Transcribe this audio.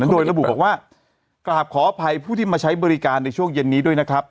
โดยระบุบอกว่ากราบขออภัยผู้ที่มาใช้บริการในช่วงเย็นนี้ด้วยนะครับ